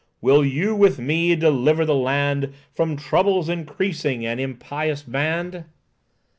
"Will you, with me, deliver the land, From troubles increasing, an impious band?"